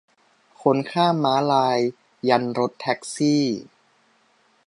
คนข้ามม้าลายยันรถแท็กซี่